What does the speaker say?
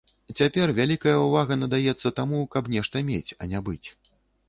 Цяпер вялікая ўвага надаецца таму, каб нешта мець, а не быць.